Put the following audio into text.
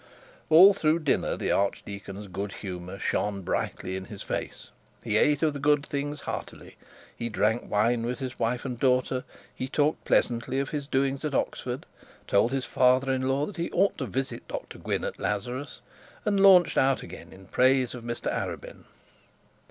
All through the dinner the archdeacon's good humour shone brightly in his face. He ate of the good things heartily, he drank wine with his wife and daughter, he talked pleasantly of his doings at Oxford, told his father in law that he ought to visit Dr Gwynne at Lazarus, and launched out again in praise of Dr Arabin.